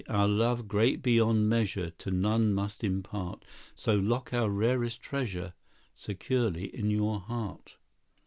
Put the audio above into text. Our love, great beyond measure, To none must we impart; So, lock our rarest treasure Securely in your heart."